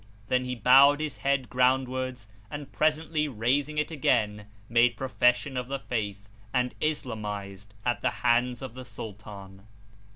Then he bowed his head groundwards and presently raising it again, made pro fession of The Faith and islamised at the hands of the Sultan.